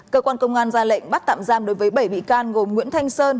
cơ quan công an ra lệnh bắt tạm giam đối với bảy bị can gồm nguyễn thanh sơn